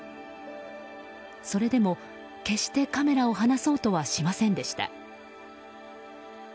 それでも決してカメラを離そうとはしませんでした。